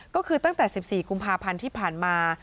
ก็คือตั้งแต่๑๔กุมภาพันธ์ที่ผ่านมา